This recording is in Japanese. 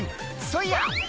そいや！」